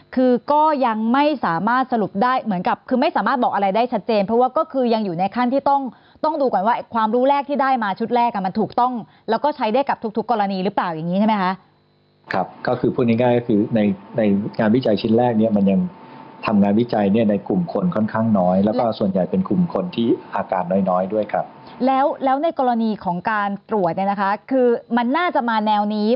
ก็ยังไม่สามารถสรุปได้เหมือนกับคือไม่สามารถบอกอะไรได้ชัดเจนเพราะว่าก็คือยังอยู่ในขั้นที่ต้องดูก่อนว่าความรู้แรกที่ได้มาชุดแรกมันถูกต้องแล้วก็ใช้ได้กับทุกกรณีหรือเปล่าอย่างนี้ใช่ไหมคะครับก็คือพูดง่ายคือในงานวิจัยชิ้นแรกมันยังทำงานวิจัยในกลุ่มคนค่อนข้างน้อยแล้วก็ส่วนให